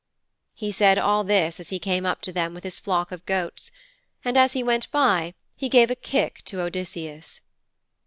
He said all this as he came up to them with his flock of goats. And as he went by he gave a kick to Odysseus.